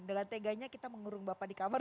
dengan teganya kita mengurung bapak di kamar